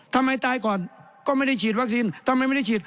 ทำไมตายก่อนก็ไม่ได้ฉีดวัคซีนทำไมไม่ได้ฉีด